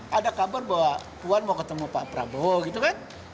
ada kabar bahwa puan mau ketemu pak prabowo gitu kan